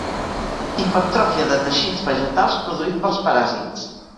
Hipertròfia de teixits vegetals produït pels paràsits.